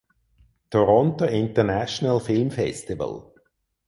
Toronto International Film Festival.